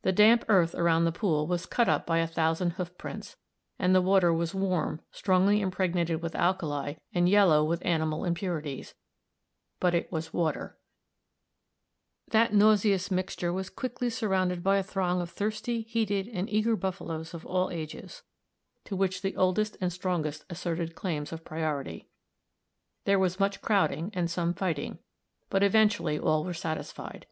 The damp earth around the pool was cut up by a thousand hoof prints, and the water was warm, strongly impregnated with alkali, and yellow with animal impurities, but it was water. The nauseous mixture was quickly surrounded by a throng of thirsty, heated, and eager buffaloes of all ages, to which the oldest and strongest asserted claims of priority. There was much crowding and some fighting, but eventually all were satisfied.